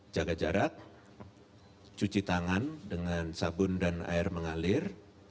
jaga jarak cuci tangan dengan sabun dan air mengalir